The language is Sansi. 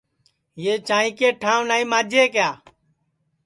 یہ چاںٚئی کے ٹھاںٚو نائی ماجے کیا